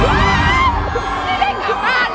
ร้องจาน